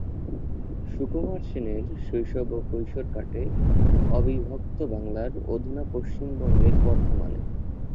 সুকুমার সেনের শৈশব ও কৈশোর কাটে অবিভক্ত বাংলার অধুনা পশ্চিমবঙ্গের বর্ধমানে।